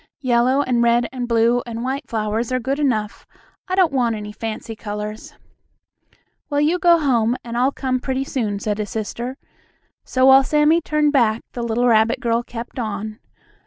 Yellow, and red, and blue, and white flowers are good enough. I don't want any fancy colors." "Well, you go home and I'll come pretty soon," said his sister, so while Sammie turned back, the little rabbit girl kept on.